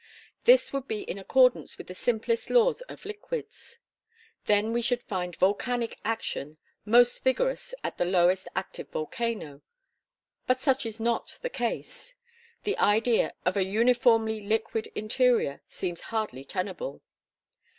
This would be in accordance with the simplest laws of liquids. Then we should find volcanic action most vigorous at the lowest active volcano; but such is not the case. The idea of a uniformly liquid interior seems hardly tenable.